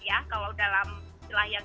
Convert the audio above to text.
ya kalau dalam silah yang